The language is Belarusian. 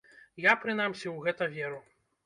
Я, прынамсі, у гэта веру.